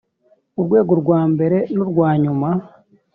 urwego rwa mbere n urwa nyuma